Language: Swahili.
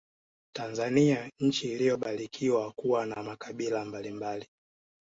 Tanzania nchi iliyobarikiwa kuwa na makabila mbalimbali